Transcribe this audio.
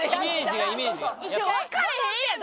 わかれへんやん！